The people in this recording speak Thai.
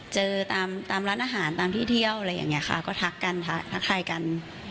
เจอตามร้านอาหารตามที่เที่ยวอะไรอย่างนี้ค่ะก็ทักกันทักทายกัน